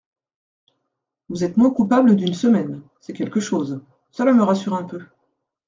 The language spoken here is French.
Vous êtes moins coupable d'une semaine ; c'est quelque chose ; cela me rassure un peu.